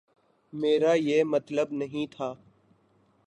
میرا یہ مطلب نہیں تھا۔